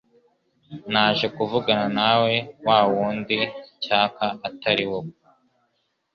Naje kuvugana nawe nahundi cyaka Atari wowe.